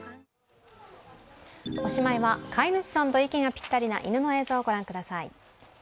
おしまいは、飼い主さんと息がピッタリな犬の映像を御覧ください。